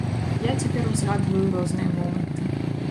Я цяпер узгадваю розныя моманты.